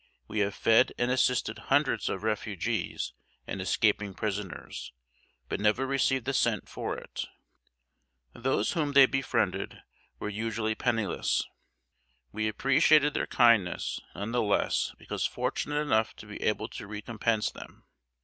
We have fed and assisted hundreds of refugees and escaping prisoners, but never received a cent for it." Those whom they befriended were usually penniless. We appreciated their kindness none the less because fortunate enough to be able to recompense them.